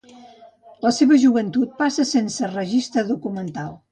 La seva joventut passa sense registre documental.